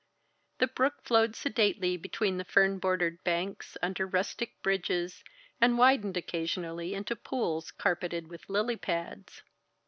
The brook flowed sedately between fern bordered banks, under rustic bridges, and widened occasionally into pools carpeted with lily pads.